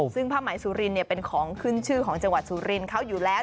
ซึ่งผ้าไหมสุรินเป็นของขึ้นชื่อของจังหวัดสุรินทร์เขาอยู่แล้ว